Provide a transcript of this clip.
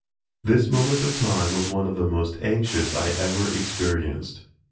This moment of time was one of the most anxious I ever experienced.